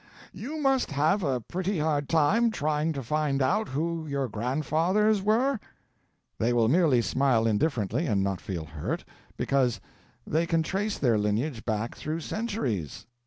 You must have a pretty hard time trying to find out who your grandfathers were?" They will merely smile indifferently and not feel hurt, because they can trace their lineage back through centuries.